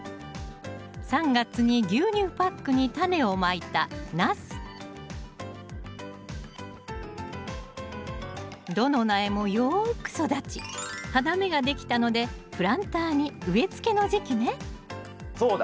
３月に牛乳パックにタネをまいたナスどの苗もよく育ち花芽ができたのでプランターに植え付けの時期ねそうだ。